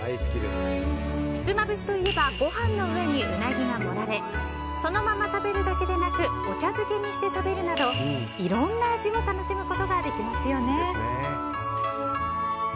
ひつまぶしといえばご飯の上にウナギが盛られそのまま食べるだけでなくお茶漬けにして食べるなどいろんな味を楽しむことができますよね。